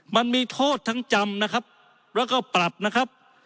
มันมีโทษทั้งจำนะครับแล้วก็ปรับนะครับ